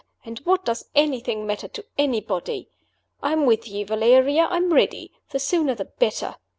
And what does anything matter to anybody? I'm with you, Valeria, I'm ready. The sooner the better.